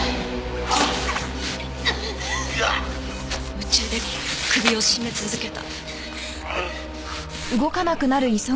夢中で首を絞め続けた。